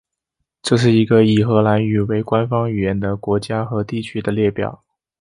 这是一个以荷兰语为官方语言的国家和地区的列表。